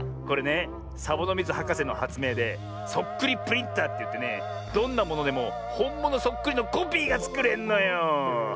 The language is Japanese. これねサボノミズはかせのはつめいでそっくりプリンターっていってねどんなものでもほんものそっくりのコピーがつくれんのよ！